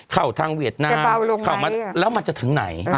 เข้าทางเวียดนาแล้วมันจะถึงไหน